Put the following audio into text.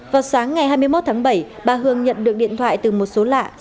vào sáng ngày hai mươi một tháng bảy bà hương nhận được điện thoại từ một số lạ